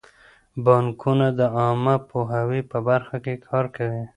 بانکونه د عامه پوهاوي په برخه کې کار کوي.